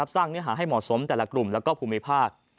สร้างเนื้อหาให้เหมาะสมแต่ละกลุ่มและภูมิภาค